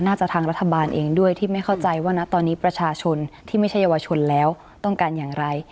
ทางรัฐบาลเองด้วยที่ไม่เข้าใจว่านะตอนนี้ประชาชนที่ไม่ใช่เยาวชนแล้วต้องการอย่างไร